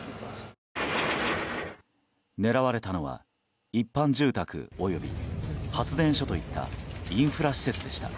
狙われたのは一般住宅および発電所といったインフラ施設でした。